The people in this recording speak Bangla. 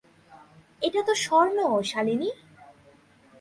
এটা তো স্বর্ণ, শালিনী।